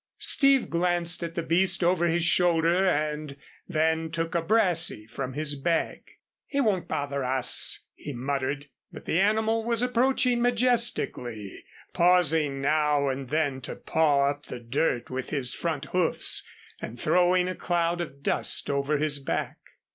Steve glanced at the beast over his shoulder, and then took a brassey from his bag. "He won't bother us," he muttered. But the animal was approaching majestically, pausing now and then to paw up the dirt with his front hoofs and throwing a cloud of dust over his back.